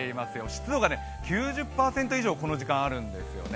湿度が９０％以上、この時間あるんですよね。